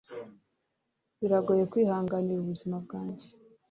biragoye kwihanganira ubuzima bwanjye